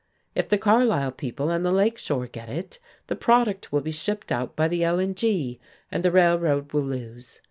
If the Carlisle people and the Lake Shore get it, the product will be shipped out by the L and G, and the Railroad will lose.